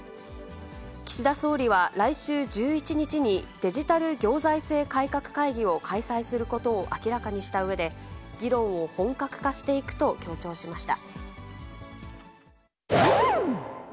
岸田総理は来週１１日に、デジタル行財政改革会議を開催することを明らかにしたうえで、議論を本格化していくと強調しました。